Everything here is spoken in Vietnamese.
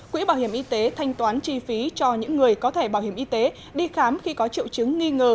quỹ bảo hiểm y tế thanh toán chi phí cho những người có thẻ bảo hiểm y tế đi khám khi có triệu chứng nghi ngờ